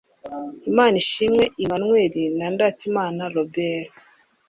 Imanishimwe Emmanuel na Ndatimana Robert